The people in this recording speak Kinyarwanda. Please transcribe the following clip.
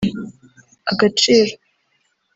Agaciro